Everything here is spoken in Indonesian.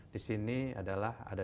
di sini adalah ada